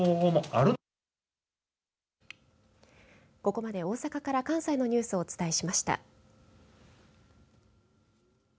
ここまで、大阪から関西のニュースをお伝えしました。